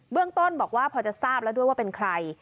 เรื่องต้นบอกว่าพอจะทราบแล้วด้วยว่าเป็นใคร